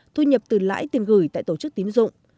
thu nhập từ lãi tiền gửi tại tổ chức tín dụng